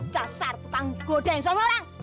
casar tetangga gode yang sama orang